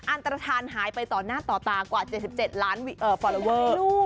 อันตรฐานหายไปต่อหน้าต่อตากว่า๗๗ล้านฟอลลอเวอร์